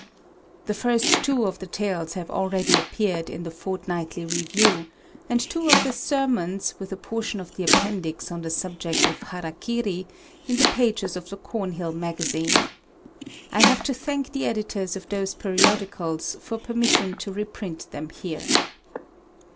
The first two of the Tales have already appeared in the Fortnightly Review, and two of the Sermons, with a portion of the Appendix on the subject of the Hara Kiri, in the pages of the Cornhill Magazine. I have to thank the editors of those periodicals for permission to reprint them here.